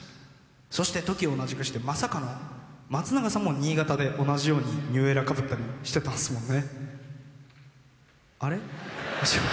そして時を同じくして、まさかの松永さんも新潟で同じようにニューエラ、かぶったりしてたんですもんね。